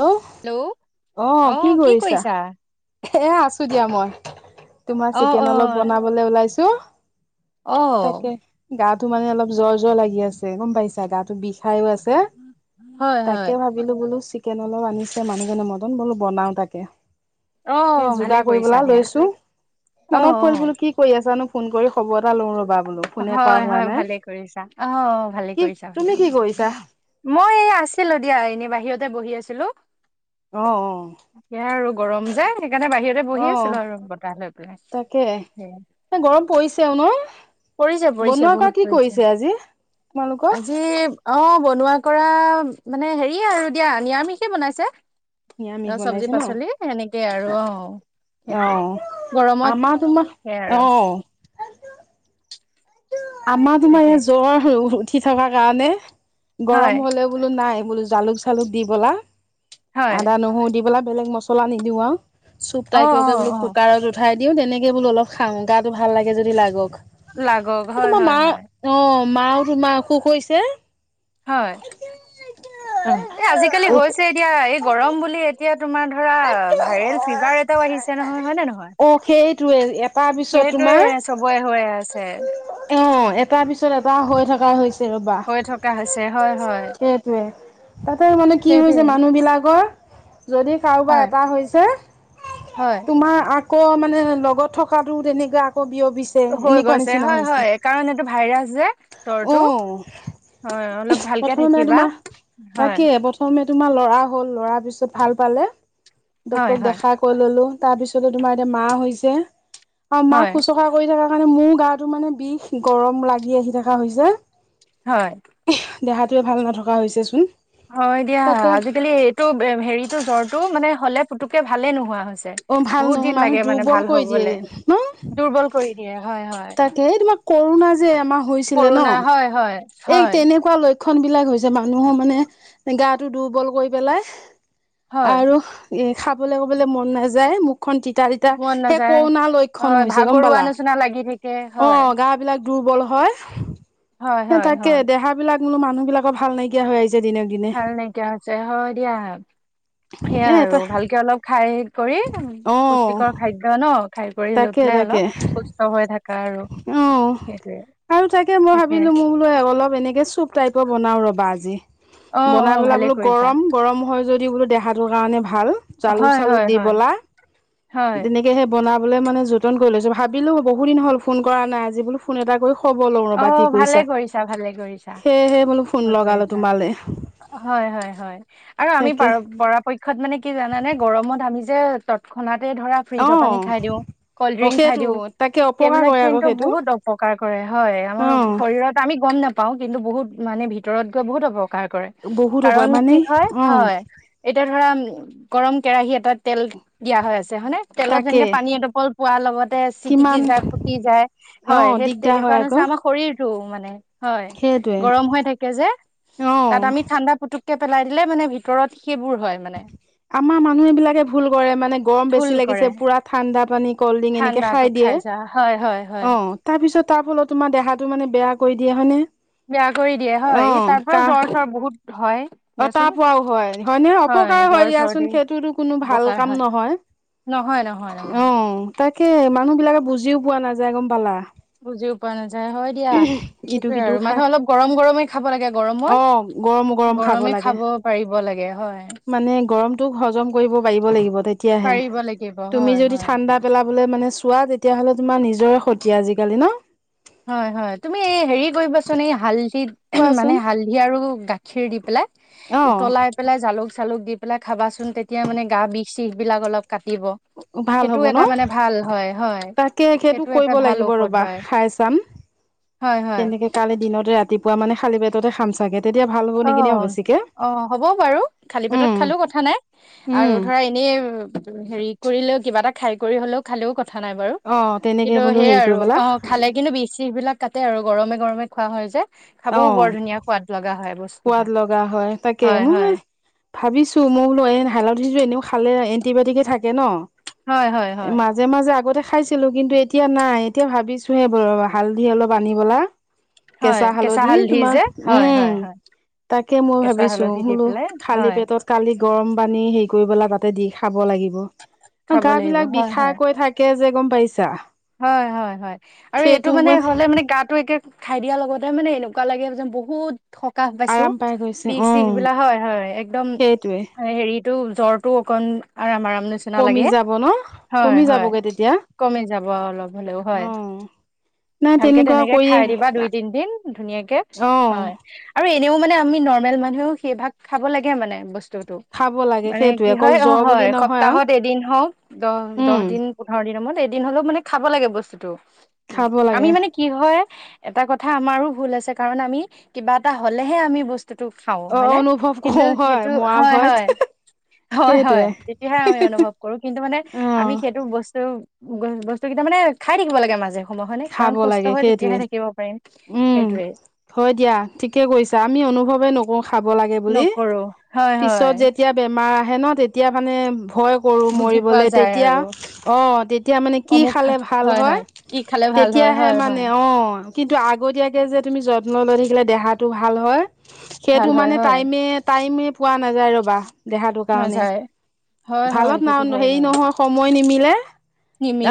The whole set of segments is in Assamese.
হেল্ল' আহ কি কৰিছা এ আছো দিয়া মই তোমাৰ অ অ চিকেন অলপ বনাবলৈ ওলাইছো। অ তাকে গাটো মানে অলপ জ্বৰ জ্বৰ লাগি আছে গম পাইছা গাটো বিষাইও আছে। হয় তাকে হয় ভাবিলো বোলো চিকেন অলপ আনিছে মানুহজনে মতন বোলো বনাও তাকে অ এ ভালে যোগাৰ কৰি কৰিছা পেলাই দিয়া লৈছো অ মনত অ পৰি বোলো কি কৰি আছানো ফোন কৰি খবৰ এটা লওঁ ৰ'বা বোলো ফোনে কৰা হয় হোৱা হয় নাই। ভালে কৰিছা আহ ভালে কি কৰিছা ভালে তুমি কি কৰিছা মই এই আছিলো দিয়া এনে বাহিৰতে বহি আছিলো আহ অ এয়া আৰু গৰম যায় সেইকাৰণে বাহিৰতে বহি অ' আছিলো আৰু বতাহ লৈ পেলাই তাকে। সেই এ গৰম পৰিছেও নহ পৰিছে পৰিছে বহুত পৰিছে তোমালোকৰ? আজি অ বনোৱা কৰা মানে হেৰি আৰু দিয়া নিৰামিষে বনাইছে নিৰামিষ অ চব্জি বনাইছে ন? পাচলি সেনেকেই আৰু অ সেইটোৱে অ', গৰমত আমাৰ তোমাৰ সেয়াই আৰু অ', আমাৰ তোমাৰ তাকে ইাত জ্বৰ উঠি থকাৰ কাৰণে হয় গৰম হলে বোলো নাই বোলো জালুক চালুক দি হয় আদা নহৰু দি বেলেগ মছলা নিদিওঁ আৰু চুপ অ অ টাইপকে বোলো অ কুকাৰত উঠাই দিওঁ তেনেকে বোলো অলপ খাওঁ গাটো ভাল লাগে যদি লাগক লাগক এই হয় তোমাৰ হয় মাৰ, হয় অ মাও তোমাৰ অসুখ হৈছে। হয়, এই আজিকালি অ', হৈছেই দিয়া, এই গৰম বুলি এতিয়া তোমাৰ ধৰা ভাইৰেল ফিভাৰ এটাও আহিছে নহয়, হয় নে নহয়? সেইটোৱে এটাৰ পিছত তোমাৰ সেইটোৱেই চবৰে হৈ আছে। অ', এটাৰ পিছত এবাৰ হৈ থকা হৈছে। হৈ থকা হৈছে। হয় হয় সেইটোৱেই, তাতে মানে কি সেইটোৱে হৈছে মানুহ বিলাকৰ যদি কাৰোবাৰ হয় এটা হৈছে, হয় তোমাৰ আকৌ মানে লগত থকাটোও তেনেকুৱা বিয়পিছে, হৈ এনেকুৱা গৈছে নিচিনা হয় হৈছে, হয় কাৰণ এইটো ভাইৰাছ যে তৰটো উম। হয় অলপ ভালকে প্ৰথমে থাকিবা তোমাৰ, হয় তাকে প্ৰথমে তোমাৰ লৰা হ'ল, লৰাই পিছত ভাল পালে, হয় ডাক্তৰক হয় দেখা কৰি ল'লো। তাৰ পিছতে তোমাৰ, এতিয়া মাৰ হৈছে আৰু হয় মাক শুশ্ৰষা কৰি থকা কাৰনে মোৰ গাটো মানে বিষ গৰম লাগি আহি থকা হৈছে। হয় দেহাটোৱে ভাল নথকা হৈছেচোন। হয় দিয়া, তাকে আজিকালি এইটো হেৰিতো জ্বৰটো মানে হলে পুতুকে ভালে নোহোৱা হৈছে। অ' ভাল বহুত নহয় দিন মানুহ লাগে মানে দুৰ্বল ভাল কৰি দিয়ে হবলে, দুৰ্বল কৰি দিয়ে। হয় হয়। তাকেই এই তোমাৰ কৰোণা যে এবাৰ হৈছিলে ন, কৰোণা হয় হয় এই হয় তেনেকুৱা লক্ষ ক্ষন বিলাক হৈছে। মানুহৰ মানে গাটো দুৰ্বল কৰি পেলাই। হয় আৰু এ খাবলে-ব'বলে মন নাযায়, মোক খন তিতা তিতা, মন সেই নাযায় কৰোণা লক্ষণ হয় হৈছে গম ভাগৰুৱা পালা। নিচিনা লাগি থাকে হয় অহ, গা বিলাক দুৰ্বল হয়, হয় সেই হয় তাকে হয় দেহ বিলাক কোনো মানুহবিলাকৰ ভাল নাইকিয়া হৈ আহিছে। দিনক দিনে ভাল নাইকিয়া হৈছে, হয় দিয়া। সেয়াই এ আৰু, এটা ভালকৈ অলপ খাই কৰি, অ পুষ্টিকৰ খাদ্য ন। খাই কৰি লৈ তাকে পেলাই তাকে অলপ, সুস্থ হৈ থাকা আৰু অ সেইটোৱেই। আৰু তাকে মই ভাবিলো, মই বোলো অলপ এনেকে চুপ টাইপৰ বনাও ৰবা আজি। অ অ বনাই পেলাই ভালে বোলো কৰিছা গৰম, গৰম হয় যদি বোলো দেহাটোৰ কাৰণেই ভাল, জালুক হয় চালুক হয় দি হয় বলাই, হয় তেনেকেই সেই বনাবলে মানে যোতন কৰি লৈছো। ভাবিলোঁ বহুদিন হ'ল ফোন কৰা নাই, আজি বোলো ফোন এটা কৰি খবৰ লওঁ অ ৰ'বা কি ভালে কৰিছা, ভালে কৰিছা সেয়েহে বোলো ফোন ভাল লগালো কৰিছা তোমালে। হয় হয় হয়, আৰু আমি প তাকে পৰাপক্ষত মানে কি জানানে গৰমত আমি যে তৎক্ষণাত এই ধৰা অ ফ্ৰিজৰ পানী খাই দিও, কল্ড অ ড্ৰিংক খাই সেইটো দিও, তাকে অপকাৰ সেইবিলাক কৰে আকৌ কিন্তু সেইটো বহুত অপকাৰ কৰে। হয়, আমাৰ অ শৰীৰত আমি গম নাপাও, কিন্তু বহুত মানে ভিতৰত গৈ বহুত অপ কাৰ কৰে, বহুত অপকাৰ কাৰণ মানে কি হয়, অ হয়। এতিয়া ধৰা গৰম কেৰাহী এটাত তেল দিয়া হৈ আছে, হয়নে? তেলত তাকে যেনেকে পানী এডপল পোৱা লগতে চিটিকি যায়, পকি যায়। অহ, দিগদাৰ হয় কাৰণ হৈছে আকৌ আমাৰ শৰীৰতটো মানে। হয়, সেইটোৱে গৰম হৈ থাকে যে, তাত অ আমি ঠাণ্ডা পুতুককে পেলাই দিলে মানে ভিতৰত সেইবোৰ হয় মানে। আমাৰ মানুহ বিলাকে ভুল কৰে, মানে গৰম ভুল বেছি কৰে লাগিছে পুৰা ঠাণ্ডা পানী কল্ড ড্ৰিংক এনেকে খাই ঠাণ্ডাটো দিয়ে, যা হয় হয় হয় অহ, তাৰপিছত, তাৰফলত তোমাৰ দেহাটো মানে বেয়া কৰি দিয়ে, হয়নে? বেয়া কৰি দিয়ে অ হয়, সেই তাৰ পৰা কাহ জ্বৰ চ্বৰ বহুত হয়। অ তাৰ দিয়াচোন, পৰাও হয় হয়নে অপকাৰ হয় জ্বৰ দিয়াচোন চৰ্দি সেইটোতো কোনো ভাল অপকাৰ কাম হয়। নহয় নহয়-নহয়-নহয়। তাকেই মানুহবিলাকে বুজিও পোৱা নাযায়, গম পালা? বুজিও পোৱা নাযায়, হয় দিয়া, ইটো সেইটোৱেই সিটো আৰু। খাই মানুহে অলপ গৰম গৰমেই খাব লাগে অ গৰমত। গৰম গৰম খাব গৰমে লাগে, পাৰিব লাগে হয় মানে গৰমতোক হজম কৰিব পাৰিব লাগিব। তেতিয়াহে, পাৰিব লাগিব তুমি হয় যদি হয় ঠাণ্ডা পেলাবলে মানে চোৱা তেতিয়াহ'লে তোমাৰ নিজৰে ক্ষতি আজিকালি ন? হয়-হয় তুমি এই হেৰি কৰিবাচোন, এই হাল কোৱাচোন মানে হালধি আৰু গাখীৰ দি পেলাই অ উতলাই পেলাই জালুক চালুক দি পেলাই খাবাচোন, তেতিয়া মানে গা বিষ-চিষ বিলাক অলপ কাটিব। ভাল সেইটো হ'ব ন এটা মানে ভাল, হয়-হয় তাকে সেইটো এটা কৰিব ভাল লাগিব ঔষধ ৰ'বা হয়। খাই চাম, হয় হয় তেনেকে কালি দিনতে ৰাতিপুৱা মানে খালি পেটতে খাম চাগে। তেতিয়া ভাল হব নেকি অ বেছিকে অ হ'ব বাৰু খালী পেটত উম খালেও কথা নাই, আৰু উম ধৰা এনেই হেৰি কৰিলেও কিবা এটা খাই কৰি হলেও খালেও ক কথা নাই বাৰু অ তেনেকে কিন্তু বোলো সেইয়া হেৰি আৰু কৰি পেলা অ খালে কিন্তু বিহ-চিহ বিলাক তাতে আৰু গৰমে গৰমে খোৱা হয় যে, অ খাবও বৰ ধুনীয়া সোৱাদ লগা হয় বস্ত সোৱাদ লগা হয়। তাকে মই ভাবিছো মই বুলো হালধিৰো এনেও খালে এণ্টিবাইটিক এ থাকে ন, হয় হয় হয় মাজে মাজে আগতে খাইছিলো। কিন্তু এতিয়া নাই, এতিয়া ভাবিছো হে ব হালধি অলপ আনিবলা, হয় কেঁচা হালধি তোমাৰ যে হয় উম হয় হয় তাকে মই কেঁচা ভাবিছো হালধি দি বোলো পেলাই খালি হয় পেটত কালি গৰম পানী হেৰি কৰিপেলাই তাতে দি খাব লাগিব আৰু খাব গা লাগিব বিলাক হয় হয় বিষাই কৰি থাকে যে গম পাইছা হয় হয় হয় আৰু এইটো মানে হ'লে মানে গাটো একে খাই দিয়াৰ লগতে মানে এনেকুৱা লাগে যেন বহুত সকাহ পাইছো আৰাম পাই গৈছে অ বিষ-চিষ বিলাক হয় হয় একদম সেইটোৱে হেৰিত টো জ্বৰটো অকন আৰাম-আৰাম নিচিনা কমি লাগে, যাব ন কমি হয়-হয়। যাবগে তেতিয়া কম যাব অলপ হ'লেও হয়। অ নাই ভালকে তেনেকুৱা তেনেকে কৰি খাই দিবা দুই তিন দিন ধুনীয়াকে। অ হয়। আৰু এনেও মানে আমি নৰ্মেল মানুহেও সেই ভাগ খাব লাগে মানে বস্তুটো, খাব লাগে মানে সেইটোৱে কি অকল হয়। অ। জ্বৰ হয়। বুলি নহয় আৰু সপ্তাহত এদিন হওঁক, দহ দহ উম দিন পোন্ধৰ দিনৰ মূৰত দিন হলেও মানে খাব লাগে বস্তুটো। খাব আমি লাগে মানে কি হয় এটা কথা আমাৰো ভুল আছে, কাৰণ আমি কিবা এটা হলেহে আমি বস্তু- হেটো খাও অ হয় নে অনুভৱ কিন্তু কৰো হয় যিহেটো মৰা হয় ভয়ত হয় হয় হয় সেইটোৱে তেতিয়াহে আমি অনুভৱ কৰো কিন্তু মানে অ আমি সেইটো বস্তু বস্তু কেইটা মানে খাই থাকিব লাগে মাজে সময়ে হয় নে খাব কাৰণ সুস্থ লাগে হয় তেতিয়াহে সেইটোৱে থাকিব পাৰিম। উম সেইটোৱে হয় দিয়া ঠিকে কৈছা আমি অনুভৱে নকৰো। খাব লাগে বুলি নকৰো হয় হয় পিছত যেতিয়া বেমাৰ আহে ন তেতিয়া মানে ভয় কৰোঁ বুজি পোৱা মৰিবলৈ যায় তেতিয়া আৰু অঁ তেতিয়া মানে কি অমুক খালে খা- ভাল হয় কি খালে ভাল হয় তেতিয়াহে হয় মানে হয় অ কিন্তু আগতীয়াকে যে তুমি যত্ন লৈ থাকিলে দেহাটো ভাল হয় সেইটো ভাল হয় মানে হয় টাইমে টাইমে পোৱা নাযায় ৰবা দেহাটোৰ কাৰণে। নাযায় হয় হয় ভালত না সেইটো হয় হেৰি বাৰু নহয় সময় নিমিলে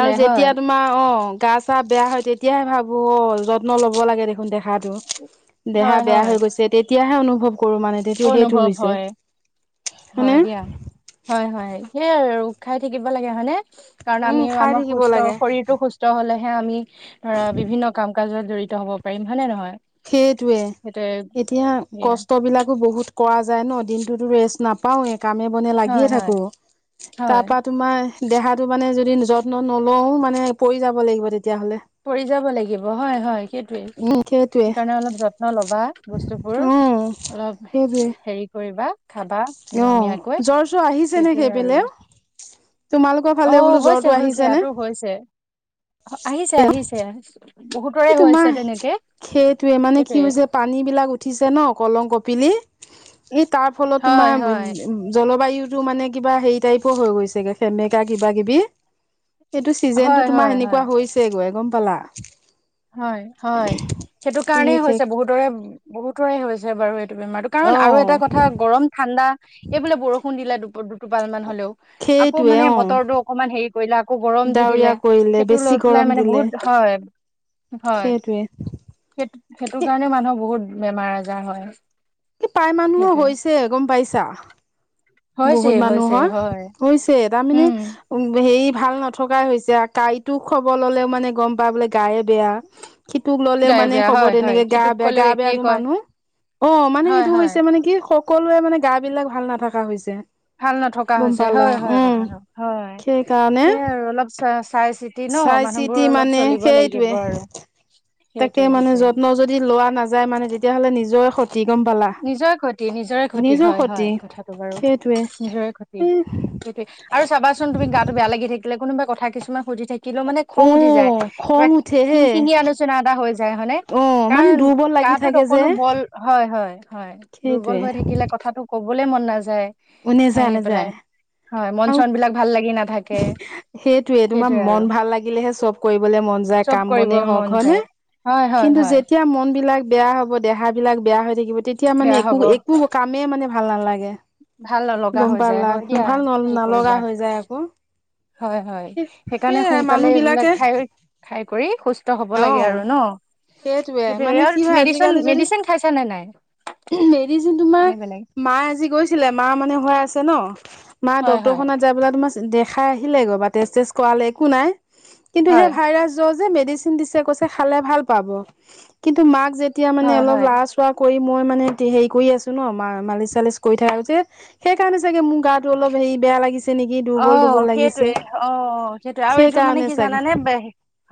আৰু যেতিয়া হয় তোমাৰ অঁ গা চা বেয়া হয় তেতিয়াহে ভাবো অ যত্ন ল'ব লাগে দেখোন দেহাটো হয় দেহা বেয়া হয় হৈ গৈছে তে- তিয়াহে অনুভৱ কৰো মানে তেতিয়া সেইটো অনুভৱ হৈছে হয়, হয়নে? হয় দিয়া, হয় হয় সেইয়াই আৰু খাই থাকিব লাগে হয়নে কাৰণ উম আমি খাই আমাৰ থাকিব সুস্থ লাগে। শৰীৰটো সুস্থ হলেহে আমি ধৰা বিভিন্ন কাম কাজত জড়িত হব পাৰিম হয়নে নহয় সেইটোৱে সেইটোয়ে এতিয়া দিয়া কষ্ট বিলাকো বহুত কৰা যায় ন দিনটোতো ৰেষ্ট নাপাও এ কামে বনে লাগিয়ে হয় হয় থাকো তাৰ হয় পৰা তোমাৰ দেহাটো মানে যদি যত্ন নলও মানে পৰি যাব লাগিব তেতিয়া। পৰি যাব লাগিব হয় হয় সেইটোৱেই উম সেইটোৱে সেইকাৰণে অলপ যত্ন ল'বা বস্তুবোৰ উম সেইটোৱে অলপ হেৰি কৰিবা। খাবা অ নিয়মীয়াকৈ জ্বৰ চৰ আহিছে নে সেইটোৱে সেইফালে আৰু তোমালোকৰ ফালে অঁ বোলো জ্বৰটো হৈছে হৈছে আহিছে নে? আৰুো হৈছে আহিছে আহিছে আহিছো এইটো মাহ সেইটোৱে মানে কি সেইটোৱে। হৈছে পানী বিলাক উঠিছে ন কলং কপিলি এই তাৰ ফলত হয় তোমাৰ হয় জলবায়ু টো মানে কিবা হেৰি টাইপৰ হৈ গৈছেগে সেমেকা কিবা কিবি সেইটো চিজন টো হয় তোমাৰ হয় হয় সেনেকুৱা হৈছে গৈ গম পালা হয় হয় সেইটো কাৰণেই সেই হৈছে বহুতৰে বহুতৰে হৈছে বাৰু বেমাৰটো অ কাৰণ আৰু এটা কথা গৰম ঠাণ্ডা এই বোলে বৰষুণ দিলে দু দুটোপাল মান হলেও আকৌ সেইটোৱে মানে অ বতৰটো অকমান হেৰি কৰিলে আকৌ গৰম দি ডাৱৰীয়া দিলে কৰিলে সেইটো বেছি লৈ গৰম পেলাই মানে দিলে বহুত ধ হয় হয় সেইটোৱে সেইটো সেইটো কাৰণে মানুহৰ বহুত বেমাৰ আজাৰ হয় এই প্ৰায় মানুহৰ সেইটোৱে হৈছে গম পাইছা হৈছে বহুত হৈছে মানুহৰ হয় হৈছে তাৰমানে উম হেৰি ভাল নথকাই হৈছে কাঁইটো খাবৰ ললেও মানে গম পাই বোলে গায়ে বেয়া সিটোক ললেও গাই মানে বেয়া হয় খবৰ হয় তেনেকে গা সিটোক বেয়া ক'লেও গা বেয়া একেই আৰু কয় মানুহ অঁ মানে হয় সেইটো হয় হৈছে মানে কি সকলোৱে মানে গা বিলাক ভাল নাথাকা হৈছে ভাল নথকা গম হৈছে পালা হয় হয় উম কথাটো হয় সেইকাৰণে সেইয়াই আৰু অলপ চাই চি ন, চাই মানুহবোৰ চিতি অলপ মানে চলিব সেইটোৱে লাগিব আৰু। তাকে সেইটোৱে মানে সেইটোৱে যত্ন যদি লোৱা নাযায় মানে তেতিয়াহলে নি নিজৰে ক্ষতি, নিজৰে ক্ষতি, হয়, হয় কথাটো বাৰু। সেইটোৱে নিজৰে ক্ষতি, এ সেইটোৱে। আৰু চাবাচোন তুমি গাটো বেয়া লাগি থাকিলে কোনোবা কথা কিছুমান সুধি থাকিলেও মানে অ খং উঠি যায়। খং কিবা উঠে খিং হে খিঙি আলোচনা এটা হৈ যায় হয়নে অ মানে কাৰণ দুৰ্বল লাগি কাহটোত থাকে যে অকনো বল হয় হয় হয় দুৰ্বল সেইটোৱে হৈ থাকিলে কথাাতটো কবলে মন নাযায় হাঁহি পেলাই [unintelligible] হয় মন চন বিলাক ভাল লাগি নাথাকে সেইটয়ে তোমাৰ সেইটোৱে আৰু মন ভাল লাগিলেহে চব কৰিবলে মন যায় চব কাম কৰিব বনে মন হওঁক হয় যায় ন হয় হয় কিন্তু হয় যেতিয়া ম বিলাক বেয়া হ'ব দেহ বিলাক বেয়া হৈ থাকিব, তেতিয়া মানে বেয়া হব একো একো কামেই মানে ভাল নালাগে। ভাল নলগা গম হৈ যায় পালা? হয় দিয়া ভাল নল কি নলগা কৰিবা হৈ যায় আকৌ। হয়, হয়, সেই সেইকাৰণে সেয়াই মানুহ সোনকালে বিলাকে এইবিলাক খাই, খাই কৰি খু ত হ'ব লাগে আৰু ন। সেইটয়ে সেইটোয়ে মানে আৰু কি হয় মেডিচিন আজিকালি যদি, মেডিচিন খাইছা নে নাই [unintelligible] তোমাৰ এনে বেলেগ মায়ে আজি গৈছিলে। মা মানে হোৱা আছে ন, মা হয় ডক্তৰ হয় খত যাই পলে তোমাৰ দেখাই আহিলেগৈ বা টেষ্ট চেষ্ট কৰালে, একো নাই। কিন্তু সেই হয় ভাইৰাছ জ্বৰ যে, মেডিচিন দি কৈছে খালে ভাল পাব। কিন্তু মা যেতিয়া মানে হয় অলপ হয় লৰা চোৱা কৰি মই মানে হেৰি কৰি আছো ন, মাৰ মালিচ চালিচ কৰি থাক যে, সেই কাৰণে চাগে মোৰ গাটো অলপ হেৰি বেয়া লাগিছে। নেকি দুৰ্বল অঁ, দুৰ্বল লাগিছে সেইটোৱে, অঁ, সেইটোৱে। আৰু এইটো মানে সেইকাৰণে কি চাগে জানানে,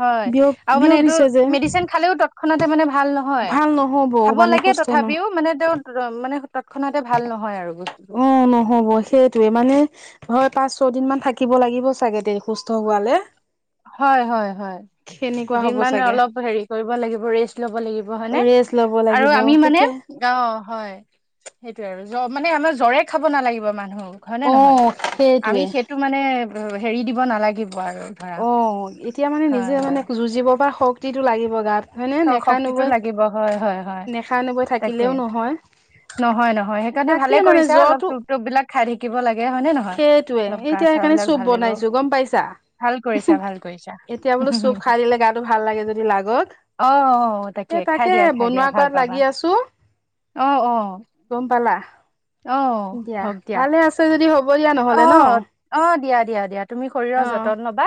হয়। বিয় আৰু মানে এইটো বিয়পিছে যে মেডিচিন খালেও তৎক্ষণাতে মানে ভাল নহয়। ভাল নহ'ব খাব মানে লাগে সুস্থ তথাপিও মানে তেওঁ তৎক্ষণাতে ভাল নহয় আৰু বস্তুটো উম, নহব, সেইটোৱেই মানে। ঘৰত পাঁচ-ছয় দিন মান থাকিব লাগিব চাগে দে সুস্থ হোৱা লৈকে। হয়, হয়, হয়। হ'ব দুদিনমান চাগে অলপ হেৰি কৰিব লাগিব, ৰেষ্ট ল'ব লাগিব, হয়নে? ৰেষ্ট ল'ব আৰু লাগিব আমি মানে, তেতিয়া অ', হয়। সেইটোৱে আৰু। জ্ব, মানে আমাৰ জ্বৰে খাব নালাগিব মানুহ, হয়নে অ নহয়? সেইটোৱে আমি সেইটো মানে হেৰি দিব নালাগিব আৰু ধৰা। অ', এতিয়া মানে নিজে হয় মানে যুঁজিব পৰা শক্তিটো লাগিব গাত। হয়নে নেখাই শক্তিটো নবৈ লাগিব, হয়, হয়। হয়। নেখাই নবৈ থাকিলেও সেইটোৱেই। নহয় নহয়, নহয়। সেইকাৰণে তাকে ভালে কৰিছা, অলপ [unintelligible] বিলাক খাই থাকিব লাগ সেইটোৱেই, এতিয়া সেইকাৰণে চুপ ভাল লাগিব বনাইছো গম পাইছা। ভাল কৰিছা ভাল কৰিছা এতিয়া বোলো চুপ অ খাই দিলে গাটো ভাল লাগে যদি লাগক। অ সেই খাই তাকে দিয়া খাই দিয়া বনোৱা ভাল কৰাত পাবা লাগি আছো। অ অ গম পালা? অ দিয়া। ভালে আছে যদি হ'ব দিয়া নহ'লে ন! অ', অ', দিয়া, দিয়া, দিয়া তুমি অ শৰীৰৰ যতন লবা।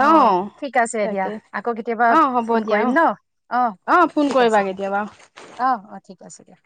অ', ঠিক আছে দিয়া। তাকে আকৌ কেতিয়াবা অ হ'ব ফোন দিয়া অ কৰিম ন? অ', ফোন ঠিক কৰিবা আছে। দিয়া। কেতিয়াবা অ', অ', ঠিক আছে দিয়া।